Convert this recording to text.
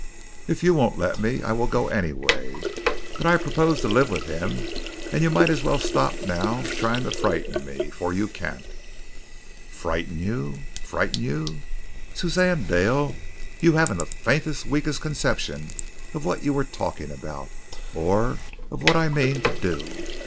If you won't let me I will go away, but I propose to live with him, and you might as well stop now trying to frighten me, for you can't." "Frighten you! Frighten you! Suzanne Dale, you haven't the faintest, weakest conception of what you are talking about, or of what I mean to do.